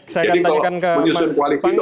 jadi kalau menyusun koalisi itu